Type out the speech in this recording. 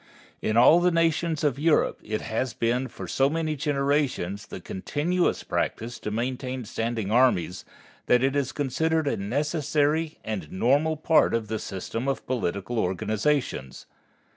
In all the nations of Europe it has been for so many generations the continuous practice to maintain standing armies, that it is considered a necessary and normal part of the system of political organizations.